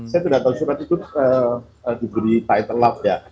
saya tidak tahu surat itu diberi title lab ya